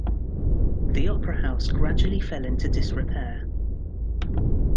The Opera House gradually fell into disrepair.